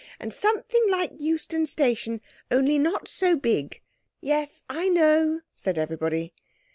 And something like Euston Station, only not so big." "Yes, I know," said everybody.